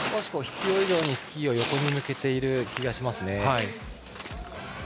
必要以上にスキーを横に向けている気がします。